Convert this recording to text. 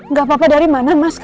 nggak apa apa dari mana mas